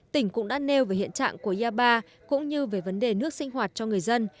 tỉnh cũng đã nêu về hiện trạng của yaba cũng như về vấn đề nước sinh hoạt cho người dân